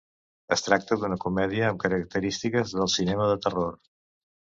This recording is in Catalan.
Es tracta d'una comèdia amb característiques del cinema de terror.